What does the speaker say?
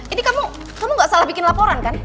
ini kamu kamu gak salah bikin laporan kan